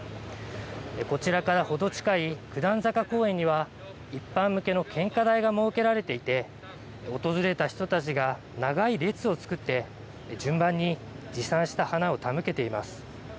こちらから程近い九段坂公園には、一般向けの献花台が設けられていて、訪れた人たちが長い列をつくって、順番に持参した花を手向けています。